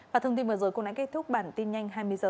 và thông tin vừa rồi cũng đã kết thúc bản tin nhanh hai mươi h